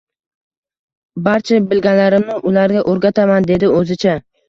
Barcha bilganlarimni ularga oʻrgataman, dedi oʻzicha